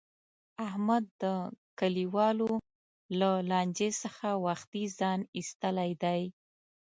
احمد د کلیوالو له لانجې څخه وختي ځان ایستلی دی.